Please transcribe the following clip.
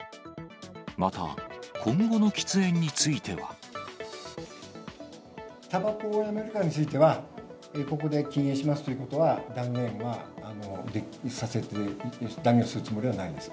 また、今後の喫煙については。たばこをやめるかについては、ここで禁煙しますということは断言するつもりはないです。